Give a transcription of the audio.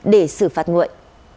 để xử phạt nguội